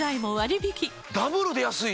ダブルで安いな！